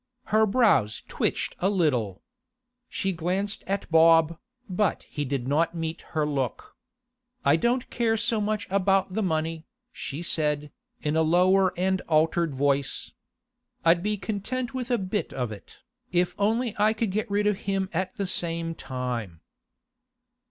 Her brows twitched a little. She glanced at Bob, but he did not meet her look. 'I don't care so much about the money,' she said, in a lower and altered voice. 'I'd be content with a bit of it, if only I could get rid of him at the same time.